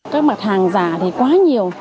các mặt hàng giả thì quá nhiều